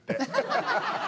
アハハハ！